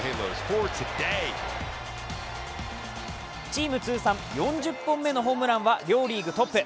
チーム通算４０本目のホームランは両リーグトップ。